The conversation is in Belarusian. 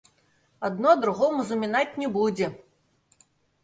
Адно другому замінаць не будзе.